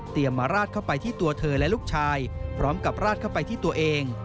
มาราดเข้าไปที่ตัวเธอและลูกชายพร้อมกับราดเข้าไปที่ตัวเอง